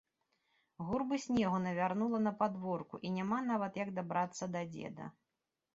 Гурбы снегу навярнула на падворку, і няма нават як дабрацца да дзеда.